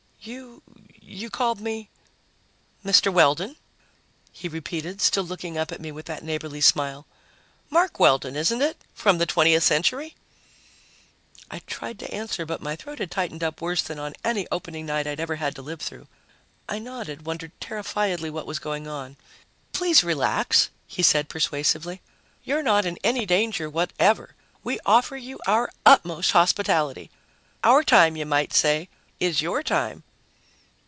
"You you called me " "Mr. Weldon," he repeated, still looking up at me with that neighborly smile. "Mark Weldon, isn't it? From the 20th Century?" I tried to answer, but my throat had tightened up worse than on any opening night I'd ever had to live through. I nodded, wondering terrifiedly what was going on. "Please relax," he said persuasively. "You're not in any danger whatever. We offer you our utmost hospitality. Our time, you might say, is your time."